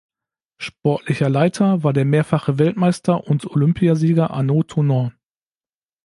Sportlicher Leiter war der mehrfache Weltmeister und Olympiasieger Arnaud Tournant.